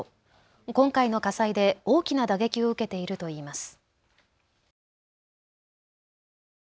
今回の火災で大きな打撃を受けているといいます。